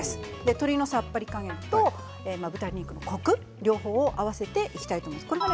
鶏のさっぱり加減と豚肉のコク両方を合わせていきたいと思います。